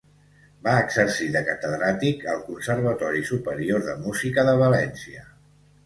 Va exercir de catedràtic al Conservatori Superior de Música de València.